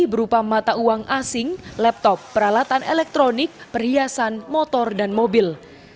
berupa mata uang asing laptop peralatan elektronik perhiasan motor dan mobil